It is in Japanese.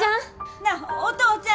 なあお父ちゃん！